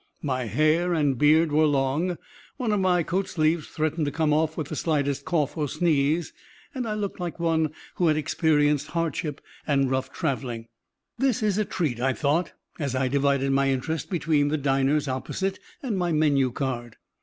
My hair and beard were long, one of my coat sleeves threatened to come off with the slightest cough or sneeze; I looked like one who had experienced hardship and rough traveling. This is a treat, I thought, as I divided my interest between the diners opposite and my menu card.